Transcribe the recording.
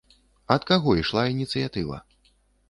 Ад каго ішла ініцыятыва?